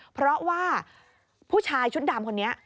เพราะว่าผู้ชายชุดดำคนนี้